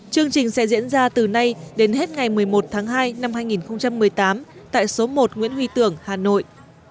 chương trình sẽ diễn ra từ nay đến hết ngày một mươi một tháng hai năm hai nghìn một mươi tám tại số một nguyễn huy tưởng hà nội